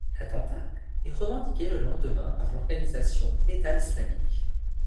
L'attentat est revendiqué le lendemain par l'organisation État islamique.